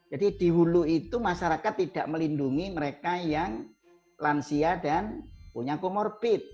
jadi dihulu itu masyarakat tidak melindungi mereka yang klansia dan punya comorbid